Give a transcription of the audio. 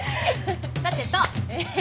さてと。